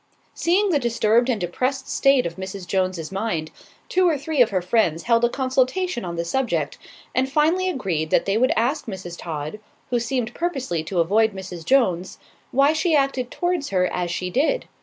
Seeing the disturbed and depressed state of Mrs. Jones's mind, two or three of her friends held a consultation on the subject, and finally agreed that they would ask Mrs. Todd, who seemed purposely to avoid Mrs. Jones, why she acted towards her as she did.